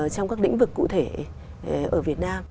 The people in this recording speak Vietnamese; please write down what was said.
trong các lĩnh vực cụ thể ở việt nam